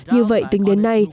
như vậy tính đến nay